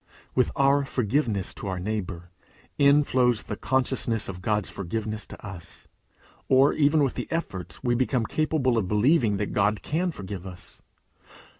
With our forgiveness to our neighbour, in flows the Consciousness of God's forgiveness to us; or even with the effort, we become capable of believing that God can forgive us.